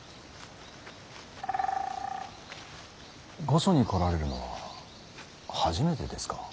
御所に来られるのは初めてですか。